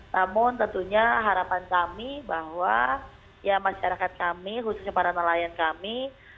namun tentunya harapan kami bahwa ya masyarakat kami khususnya para nelayan kami